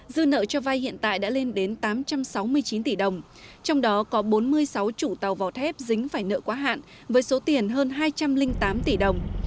dư nợ cho vay hiện tại đã lên đến tám trăm sáu mươi chín tỷ đồng trong đó có bốn mươi sáu chủ tàu vỏ thép dính phải nợ quá hạn với số tiền hơn hai trăm linh tám tỷ đồng